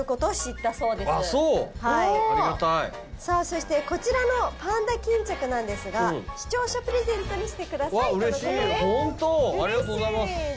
さぁそしてこちらのパンダ巾着なんですが視聴者プレゼントにしてくださいとのことです。